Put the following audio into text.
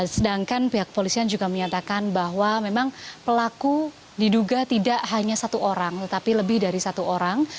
sedangkan pihak polisian juga menyatakan bahwa memang pelaku diduga tidak hanya satu orang tetapi lebih dari satu orang